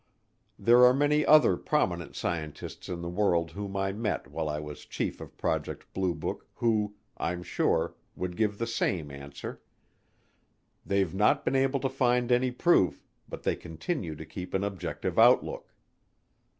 There are many other prominent scientists in the world whom I met while I was chief of Project Blue Book who, I'm sure, would give the same answer they've not been able to find any proof, but they continue to keep an objective outlook.